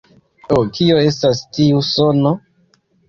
Ho, kio estas tiu sono?